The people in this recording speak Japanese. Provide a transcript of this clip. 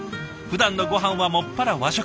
ふだんのごはんは専ら和食。